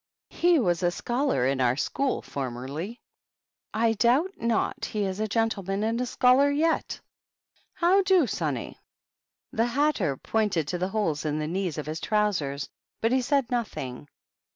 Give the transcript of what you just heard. " He was a scholar in our school formerly. I doubt not he is a gen tleman and a scholar yet. How do, sonny ?" THE BIBHOPS. The Hatter pointed to the holes in the knees of his trousers, but he said nothing.